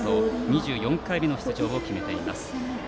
２４回目の出場を決めています。